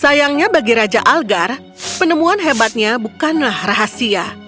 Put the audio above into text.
sayangnya bagi raja algar penemuan hebatnya bukanlah rahasia